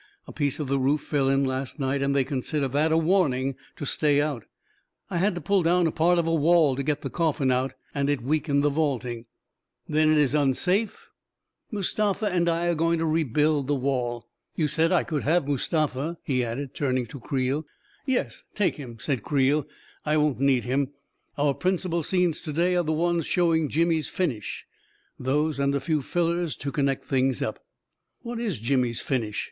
A piece of the roof fell in last night, and they consider that a warning to stay out. I had to pull down part of a wall to get the coffin out, and it weakened the vaulting." " Then it is unsafe ?" 32« A KING IN BABYLON " Mustafa and I are going to rebuild the wall. You said I could have Mustafa/' he added, turning to Creel. " Yes, take him," said Creel. " I won't need him. Our principal scenes to day are the ones show ing Jimmy's finish — those and a few fillers to con nect things up." "What is Jimmy's finish?"